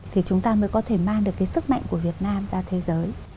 thì chúng ta mới có thể mang được cái sức mạnh của việt nam ra thế giới